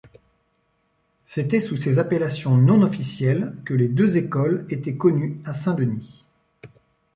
C'étaient sous ces appellations, non officielles, que les deux écoles étaient connues à Saint-Denis.